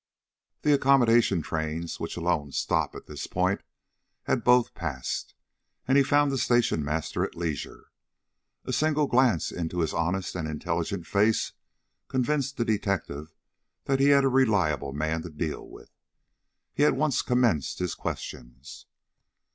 The accommodation trains, which alone stop at this point, had both passed, and he found the station master at leisure. A single glance into his honest and intelligent face convinced the detective that he had a reliable man to deal with. He at once commenced his questions.